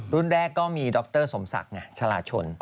รุ่นแรกก็มีดรสมศักดิ์ไงชาลาชน